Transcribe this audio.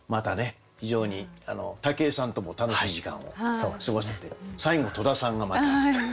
非常に武井さんとも楽しい時間を過ごせて最後戸田さんがまた。